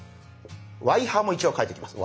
ワイハーも一応書いときます。